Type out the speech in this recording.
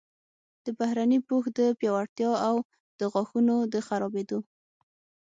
د بهرني پوښ د پیاوړتیا او د غاښونو د خرابیدو